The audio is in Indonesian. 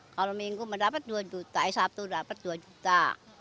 kalau minggu mendaftar dua juta ayo sabtu dapet dua juta